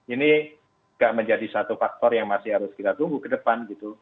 ini juga menjadi satu faktor yang masih harus kita tunggu ke depan gitu